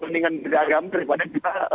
mendingan beragama daripada kita